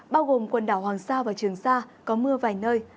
bao gồm quần đảo hoàng sa và trường sa có mưa vài nơi